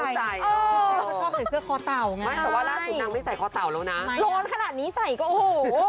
ใช่เขาชอบใส่เสื้อคอเต่าไงไม่แต่ว่าล่าสุดนางไม่ใส่คอเต่าแล้วนะร้อนขนาดนี้ใส่ก็โอ้โห